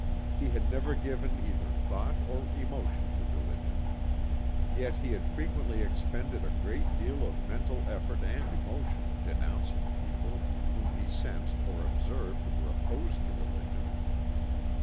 He had never given either thought or emotion to religion. Yet he had frequently expended a great deal of mental effort and emotion denouncing people whom he sensed or observed were opposed to religion.